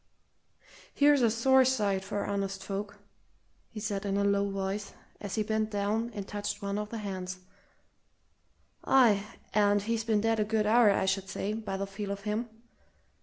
"Here's a sore sight for honest folk!" he said in a low voice, as he bent down and touched one of the hands. "Aye, and he's been dead a good hour, I should say, by the feel of him!